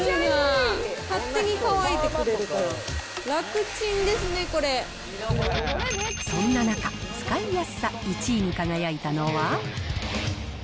勝手に乾いてくれるから、そんな中、使いやすさ１位に輝いたのは。